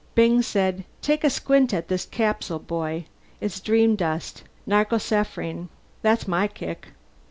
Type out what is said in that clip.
Byng said, "Take a squint at this capsule, boy. It's dreamdust narcosephrine. That's my kick."